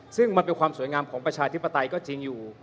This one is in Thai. ซึ่งมันเป็นความสวยงามของประชาธิปไตยก็จริงอยู่